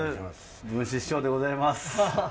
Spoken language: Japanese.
文枝師匠でございます。